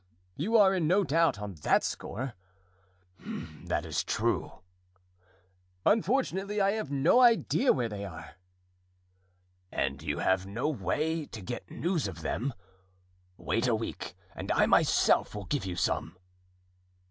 "You are in no doubt on that score." "That is true." "Unfortunately, I have no idea where they are." "And you have no way to get news of them? Wait a week and I myself will give you some."